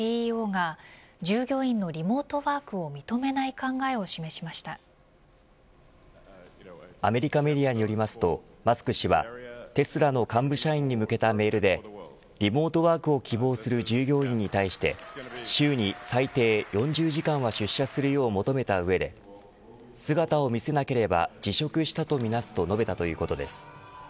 ＣＥＯが従業員のリモートワークをアメリカメディアによりますとマスク氏はテスラの幹部社員に向けたメールでリモートワークを希望する従業員に対して週に最低４０時間は出社するよう求めた上で姿を見せなければ辞職したとみなすと述べたということです。